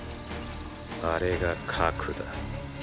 あれが核だ。